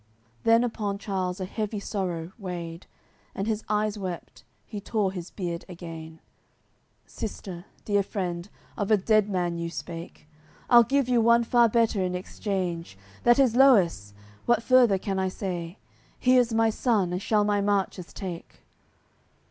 Then upon Charles a heavy sorrow weighed, And his eyes wept, he tore his beard again: "Sister, dear friend, of a dead man you spake. I'll give you one far better in exchange, That is Loewis, what further can I say; He is my son, and shall my marches take."